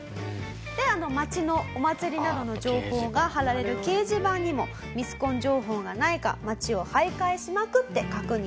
で街のお祭りなどの情報が貼られる掲示板にもミスコン情報がないか街を徘徊しまくって確認しました。